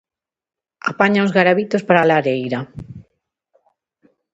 Apaña uns garabitos para a lareira.